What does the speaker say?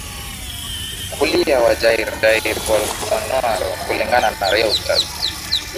kulia wa Jair Jair Bolsonaro Kulingana na Reuters